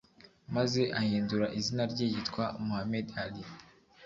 maze ahindura izina rye yitwa Muhamed Ali